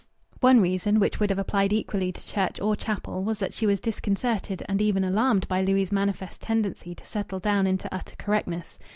One reason, which would have applied equally to church or chapel, was that she was disconcerted and even alarmed by Louis' manifest tendency to settle down into utter correctness.